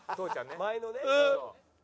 「前のね」